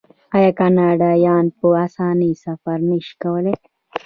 آیا کاناډایان په اسانۍ سفر نشي کولی؟